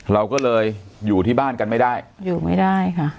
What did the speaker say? เราก็เลยอยู่ที่บ้านกันไม่ได้อยู่ไม่ได้ค่ะ